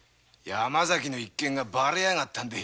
山崎の一件がバレやがったんで。